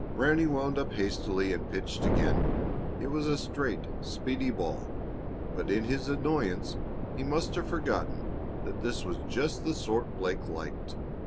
Ranny wound up hastily and pitched again. It was a straight, speedy ball, but in his annoyance he must have forgotten that this was just the sort Blake liked.